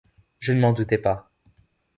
Je ne m’en doutais pas.